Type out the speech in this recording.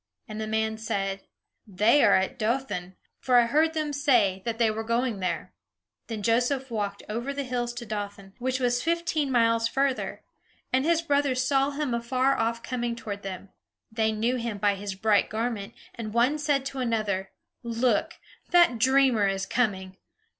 And the man said, "They are at Dothan; for I heard them say that they were going there." Then Joseph walked over the hills to Dothan, which was fifteen miles further. And his brothers saw him afar off coming toward them. They knew him by his bright garment; and one said to another: "Look, that dreamer is coming!